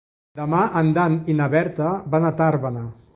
Demà en Dan i na Berta van a Tàrbena.